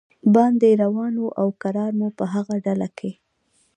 باندې روان و او کرار مو په هغه ډله کې.